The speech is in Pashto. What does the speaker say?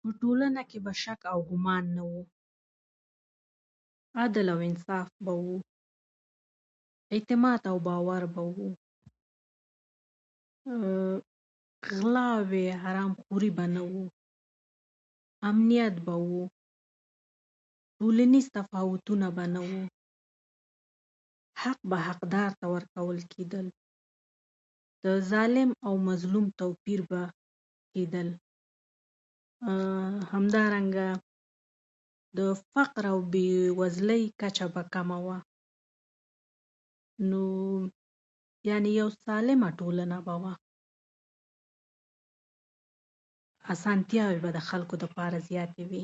په ټولنه کې به شک او ګمان نه و عدل او انصاف به و، اعتماد او باور به و، غلاوې او حرامخوري به نه وو امنیت به و ټولنیز تپاوتونه به نه وو حق به حقدار ته ورکول کېدل د ظالم او مظلوم توپیر به لیدل کېدل همدارنګه د فقر او بیوزلۍ کچه به کمه وه یعنې یوه څالمه ټولنه به وه، اسانتیاوې به د خلکو لپاره زیاتې وې